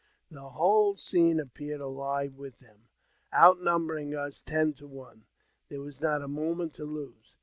The whole scene appeared alive with them, outnumbering us ten to one. There was not a moment to lose.